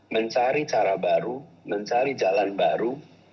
mencari cara baru mencari jalan baru